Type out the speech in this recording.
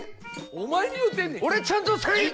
自分に言うてんねん！